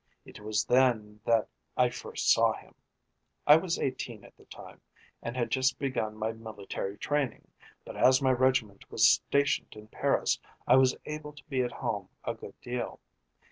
It was then that I first saw him. I was eighteen at the time, and had just begun my military training, but as my regiment was stationed in Paris I was able to be at home a good deal.